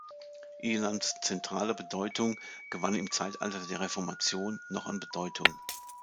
Ilanz’ zentrale Bedeutung gewann im Zeitalter der Reformation noch an Bedeutung.